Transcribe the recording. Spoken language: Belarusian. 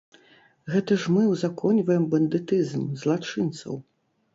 Гэта ж мы ўзаконьваем бандытызм, злачынцаў!